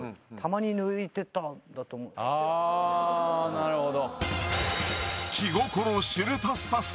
なるほど。